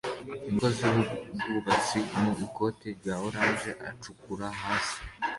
Umukozi wubwubatsi mu ikoti rya orange acukura hasi